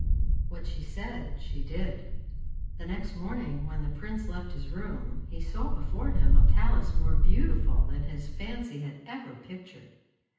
What she said, she did. The next morning when the prince left his room he saw before him a palace more beautiful than his fancy had ever pictured.